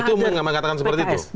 itu memang mengatakan seperti itu